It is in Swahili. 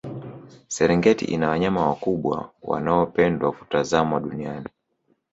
serengeti ina wanyama wakubwa wanaopendwa kutazamwa duniani